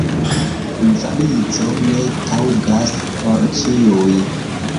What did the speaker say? Valizo ne taŭgas por ĉiuj.